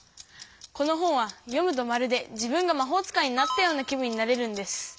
この本は読むとまるで自分がまほう使いになったような気分になれるんです。